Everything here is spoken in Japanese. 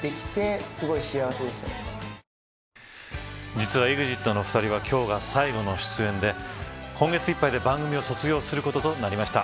実はＥＸＩＴのお二人は今日が最後の出演で今月いっぱいで番組を卒業することとなりました。